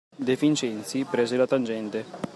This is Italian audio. De Vincenzi prese la tangente.